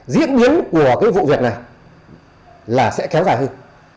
diễn biến của vụ diệt này là sẽ kéo dài hơn